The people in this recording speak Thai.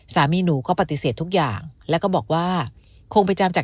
สามีหนูก็ปฏิเสธทุกอย่างและก็บอกว่า